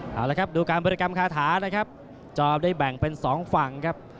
เอาละครับดูการบริกรรมคาถานะครับจอมได้แบ่งเป็นสองฝั่งครับ